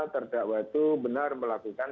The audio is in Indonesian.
terdakwa itu benar melakukan